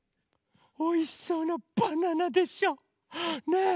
おいしそうなバナナでしょ？ねえ。